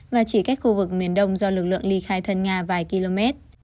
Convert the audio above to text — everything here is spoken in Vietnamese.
và chỉ cách khu vực miền đông do lực lượng ly khai thân nga vài km